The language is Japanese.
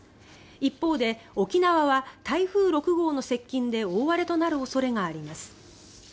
一方で、沖縄は台風６号の接近で大荒れとなる恐れがあります。